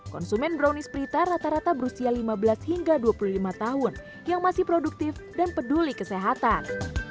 konsumen brownies prita rata rata berusia lima belas hingga dua puluh lima tahun yang masih produktif dan peduli kesehatan